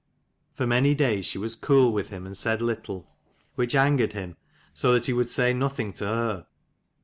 For many days she was cool with him and said little: which angered him, so that he would say nothing to her.